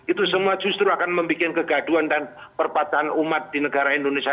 itu semua justru akan membuat kegaduan dan perpatahan umat di negara indonesia